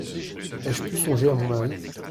Ai-je pu songer à mon mari ?